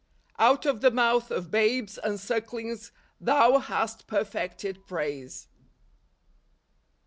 " Out of the mouth of babes and sucklings thou hast perfected praise